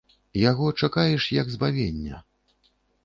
Яго чакаеш як збавення.